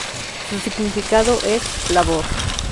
Su significado es "labor".